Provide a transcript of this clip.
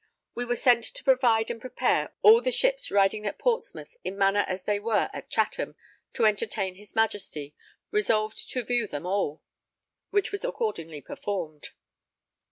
We were sent to provide and prepare all the ships riding at Portsmouth in manner as they were at Chatham, to entertain his Majesty, resolved to view them all; which was accordingly performed.